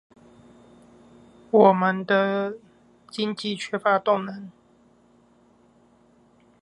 我們的經濟缺乏動能